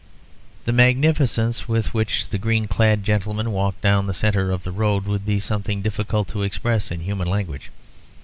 The magnificence with which the green clad gentleman walked down the centre of the road would be something difficult to express in human language.